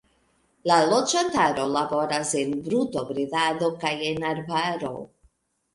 La loĝantaro laboras en brutobredado kaj en arbaro.